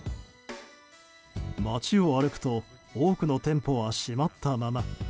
街を歩くと多くの店舗は閉まったまま。